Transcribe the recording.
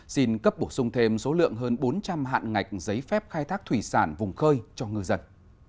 xin cấp bổ sung thêm số lượng hơn bốn trăm linh hạn ngạch giấy phép khai thác thủy sản vùng khơi cho ngư dân